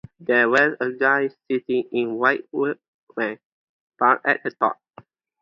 There was a guy sitting in a white work van parked at the top.